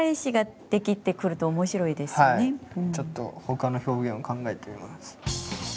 ちょっとほかの表現を考えてみます。